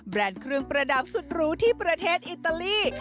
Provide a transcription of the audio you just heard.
เครื่องประดับสุดรู้ที่ประเทศอิตาลี